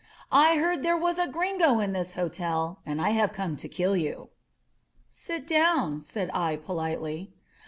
^^I heard there was a Gringo in this hotel and I have come to kill you." "Sit down/' said I politely.